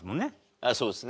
ああそうですね。